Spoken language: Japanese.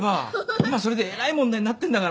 今それでえらい問題になってんだから。